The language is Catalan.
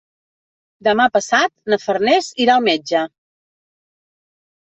Demà passat na Farners irà al metge.